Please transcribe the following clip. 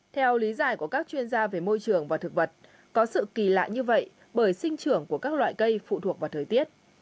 theo lý giải của các chuyên gia về môi trường và thực vật có sự kỳ lạ như vậy bởi sinh trưởng của các loại cây phụ thuộc vào thời tiết